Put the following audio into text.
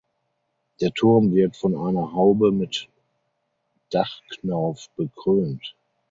Der Turm wird von einer Haube mit Dachknauf bekrönt.